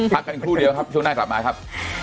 พักกันครู่เดียวครับช่วงหน้ากลับมาครับ